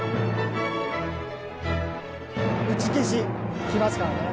打ち消しきますからね。